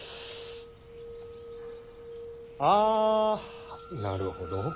あなるほど。